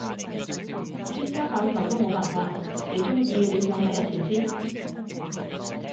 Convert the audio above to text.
專家教授都冇辦法，你中意你上第一前線？